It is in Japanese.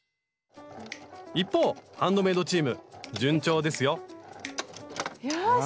一方ハンドメイドチーム順調ですよよし！